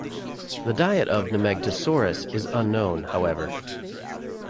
The diet of "Nemegtosaurus" is unknown, however.